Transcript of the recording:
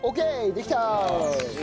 できた！